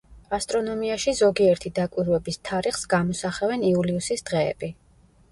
ასტრონომიაში ზოგიერთი დაკვირვების თარიღს გამოსახავენ იულიუსის დღეები.